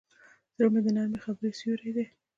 زړه د نرمې خبرې سیوری دی.